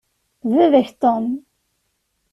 D baba-k Tom.